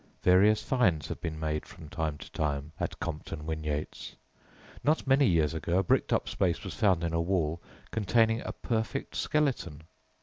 _ Various finds have been made from time to time at Compton Winyates. Not many years ago a bricked up space was found in a wall containing a perfect skeleton!